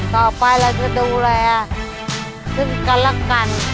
ต่อไปเราจะดูแลซึ่งกันและกัน